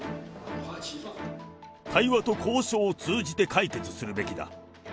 対話と交渉を通じて解決するべきだ。